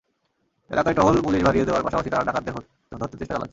এলাকায় টহল পুলিশ বাড়িয়ে দেওয়ার পাশাপাশি তাঁরা ডাকাতদের ধরতে চেষ্টা চালাচ্ছেন।